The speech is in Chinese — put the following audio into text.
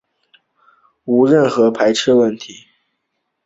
无任何排斥问题